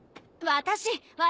私！